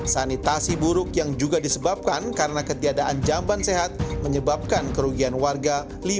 sanitasi buruk yang juga disebabkan karena ketiadaan jamban sehat menyebabkan kerugian warga